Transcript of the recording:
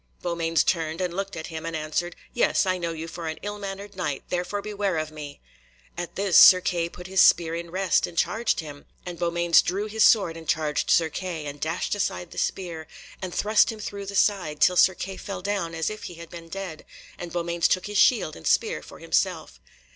Beaumains turned and looked at him, and answered, "Yes, I know you for an ill mannered Knight, therefore beware of me." At this Sir Kay put his spear in rest and charged him, and Beaumains drew his sword and charged Sir Kay, and dashed aside the spear, and thrust him through the side, till Sir Kay fell down as if he had been dead, and Beaumains took his shield and spear for himself.